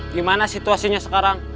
gimana situasinya sekarang